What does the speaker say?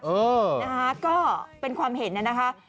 เออนะคะก็เป็นความเห็นน่ะนะคะ